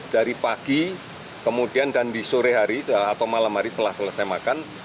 dari pagi kemudian dan di sore hari atau malam hari setelah selesai makan